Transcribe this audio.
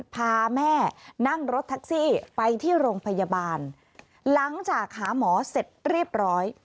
พาแม่นั่งรถแท็กซี่ไปที่โรงพยาบาลหลังจากหาหมอเสร็จเรียบร้อย